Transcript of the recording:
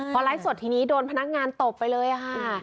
พอไลฟ์สดทีนี้โดนพนักงานตบไปเลยค่ะ